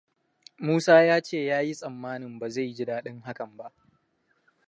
Musa ya ce ya yi tsammanin ba zai ji daɗin hakan ba.